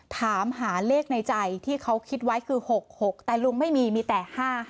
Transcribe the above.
ถามหาเลขในใจที่เขาคิดไว้คือ๖๖แต่ลุงไม่มีมีแต่๕๕